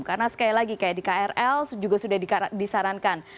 karena sekali lagi kayak di krl juga sudah disarankan